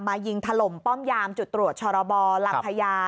ยิงถล่มป้อมยามจุดตรวจชรบลำพญา